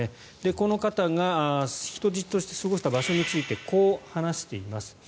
この方が人質として過ごした場所についてこう話しています。